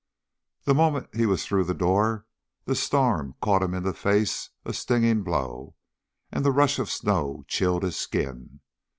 The moment he was through the door, the storm caught him in the face a stinging blow, and the rush of snow chilled his skin.